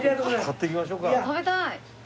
買っていきましょうか。